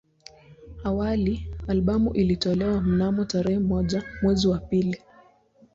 Awali albamu ilitolewa mnamo tarehe moja mwezi wa pili